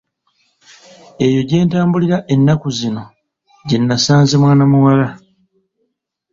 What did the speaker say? Eyo gye ntambulira ennaku zino gyenasanze mwana muwala.